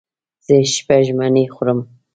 زه شپږ مڼې خورم.